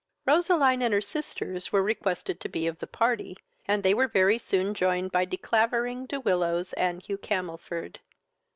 Roseline and her sisters were requested to be of the party, and they were very soon joined by De Clavering, De Willows, and Hugh Camelford.